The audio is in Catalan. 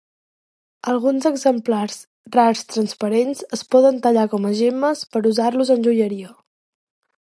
Alguns exemplars rars transparents es poden tallar com a gemmes per usar-los en joieria.